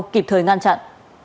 kịp thời ngăn chặn